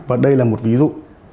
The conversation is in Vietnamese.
và đây là một ví dụ